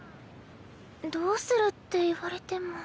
どうするって言われても。